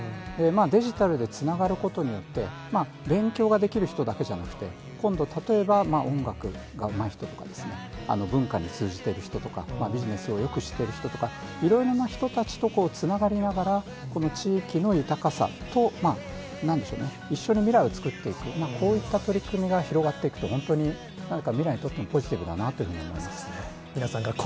デジタルでつながることによって、勉強ができる人だけじゃなくて、今度、例えば音楽がうまい人とか、文化に通じてる人とか、ビジネスをよく知っている人とか、いろいろな人たちとつながりながら、この地域の豊かさと、なんでしょうね、一緒に未来を作っていく、こういった取り組みが広がっていくと、焼きソバもいきます？